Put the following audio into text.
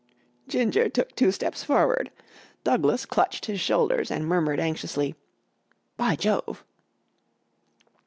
Ginger took two steps forward. Douglas clutched his shoulders and murmured anxiously, "By Jove!"